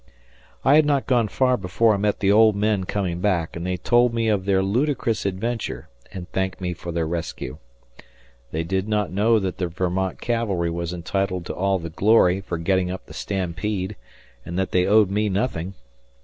I had not gone far before I met the old men coming back, and they told me of their ludicrous adventure and thanked me for their rescue. They did not know that the Vermont cavalry was entitled to all the glory for getting up the stampede, and that they owed me nothing.